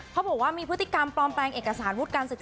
เขาบอกว่ามีพฤติกรรมปลอมแปลงเอกสารวุฒิการศึกษา